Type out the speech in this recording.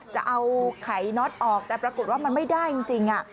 จะเอาไข่น็อตออกแต่ปรากฏว่ามันไม่ได้จริง